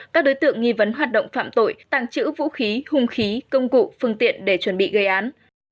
các đối tượng nghi vấn hoạt động phạm tội tàng trữ vũ khí hung khí công cụ phương tiện để chuẩn bị gây án